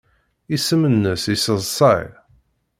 Isem-nnes yesseḍsay.